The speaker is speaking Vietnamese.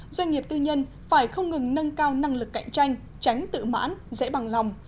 doanh nghiệp tư nhân phải không ngừng nâng cao năng lực cạnh tranh tránh tự mãn dễ bằng lòng